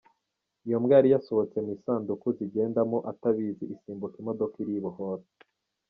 Iyo mbwa yari yasohotse mu gisanduku zigendamo atabizi isimbuka imodoka iribohora.